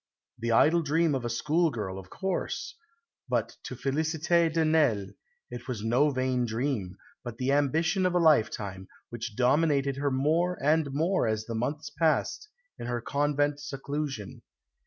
The idle dream of a schoolgirl, of course! But to Félicité de Nesle it was no vain dream, but the ambition of a lifetime, which dominated her more and more as the months passed in her convent seclusion.